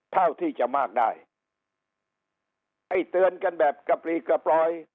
เท่าที่จะมากได้ไอ้เตือนกันแบบกระปรีกระปลอย